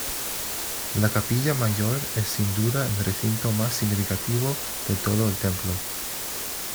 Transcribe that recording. La capilla mayor es sin duda el recinto más significativo de todo el templo.